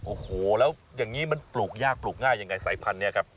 โอ้โหแล้วอย่างนี้มันปลูกยากปลูกง่ายยังไงสายพันธุ์นี้ครับ